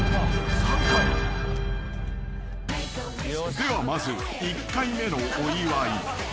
［ではまず１回目のお祝い］